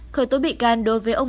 khởi tố bị tội phạm